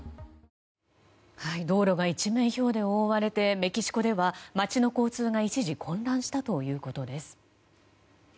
道路が一面ひょうで覆われてメキシコでは街の交通が一時混乱したということです。